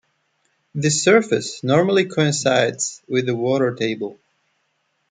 This surface normally coincides with the water table.